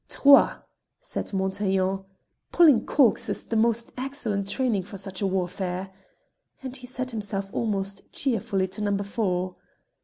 "Trois!" said Montaiglon. "Pulling corks is the most excellent training for such a warfare," and he set himself almost cheerfully to number four.